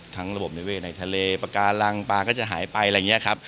ทั้งระบบนิเวศ์ในทะเลปลาการลังปลาก็จะหายไป